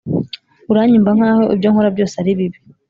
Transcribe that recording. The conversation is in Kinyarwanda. uranyumva nkaho ibyo nkora byose ari bibi.